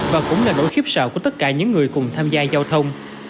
và cũng là nỗi khiếp sạo của tất cả những người cùng tham gia giao thông